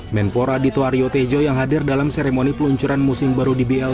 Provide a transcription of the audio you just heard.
menpora dito aryo tejo yang hadir dalam seremoni peluncuran musim baru dbl